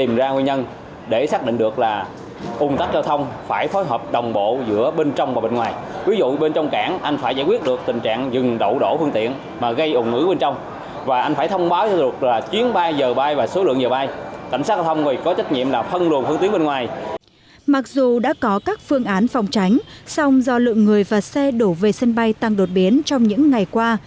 mặc dù đã có các phương án phòng tránh song do lượng người và xe đổ về sân bay tăng đột biến trong những ngày qua